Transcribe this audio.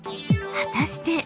果たして］